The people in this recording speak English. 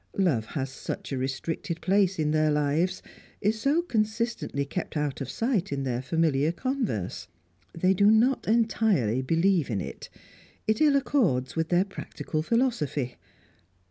Love has such a restricted place in their lives, is so consistently kept out of sight in their familiar converse. They do not entirely believe in it; it ill accords with their practical philosophy.